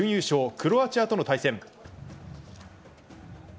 クロアチアとの対戦。